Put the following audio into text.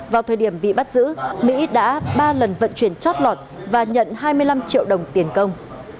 vào thời điểm bị bắt giữ mỹ đã ba lần vận chuyển chót lọt và nhận hai mươi năm triệu đồng tiền công